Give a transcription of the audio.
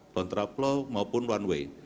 kontraplau maupun one way